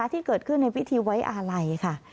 ที่เกิดขึ้นในพิธีไว้อาลัยค่ะ